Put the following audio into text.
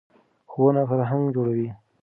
ښوونه فرهنګ جوړوي.